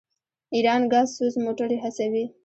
ایران ګازسوز موټرې هڅوي.